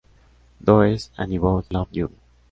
Does Anybody Love You?